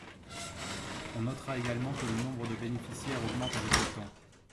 On notera également que le nombre de bénéficiaires augmente avec le temps.